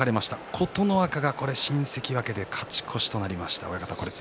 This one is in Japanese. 琴ノ若、新関脇で勝ち越しとなりました。